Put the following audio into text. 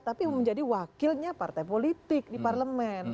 tapi menjadi wakilnya partai politik di parlemen